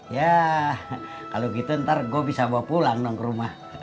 ya kalau gitu ntar gue bisa bawa pulang dong ke rumah